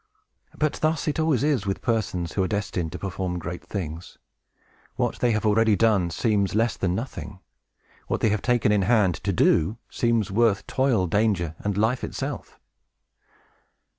But thus it always is with persons who are destined to perform great things. What they have already done seems less than nothing. What they have taken in hand to do seems worth toil, danger, and life itself.